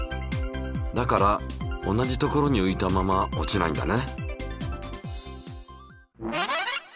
だから同じ所に浮いたまま落ちないんだね。